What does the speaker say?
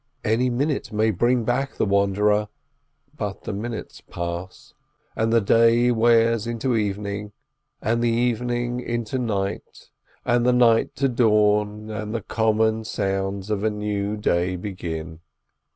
Any minute may bring back the wanderer; but the minutes pass, and the day wears into evening, and the evening to night, and the night to dawn, and the common sounds of a new day begin.